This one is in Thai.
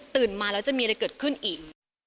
มาแล้วจะมีอะไรเกิดขึ้นอีก